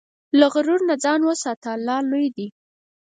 له غرور نه ځان وساته، الله لوی دی.